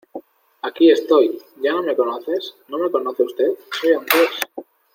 ¡Aquí estoy! ¿Ya no me conoces? ¿No me conoce usted? soy andrés.